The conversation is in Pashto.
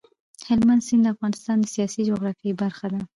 هلمند سیند د افغانستان د سیاسي جغرافیې برخه ده.